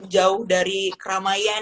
jauh dari keramaian